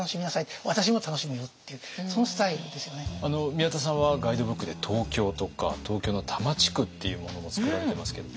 宮田さんはガイドブックで東京とか東京の多摩地区っていうものも作られてますけども。